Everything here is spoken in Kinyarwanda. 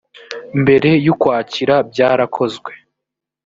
mbere yukwakira byarakozwe